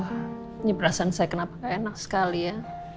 ini perasaan saya kenapa gak enak sekali ya